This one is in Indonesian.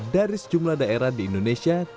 dari sejumlah daerah di indonesia